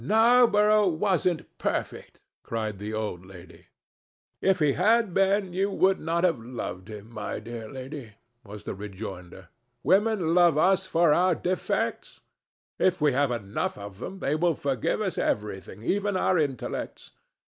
"Narborough wasn't perfect," cried the old lady. "If he had been, you would not have loved him, my dear lady," was the rejoinder. "Women love us for our defects. If we have enough of them, they will forgive us everything, even our intellects.